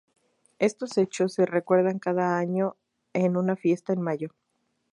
Estos hechos se recuerdan cada año en una fiesta en mayo.